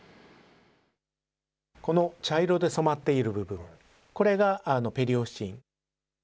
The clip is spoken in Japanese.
この茶色で染まっている部分、これがペリオスチン。